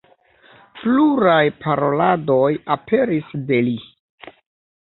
Pluraj paroladoj aperis de li.